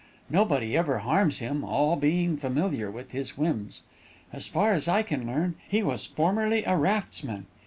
Nobody ever harms him, all being familiar with his whims. As far as I can learn, he was formerly a raftsman.